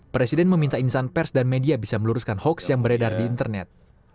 presiden meminta insan pers dan media bisa meluruskan hoax yang beredar di internet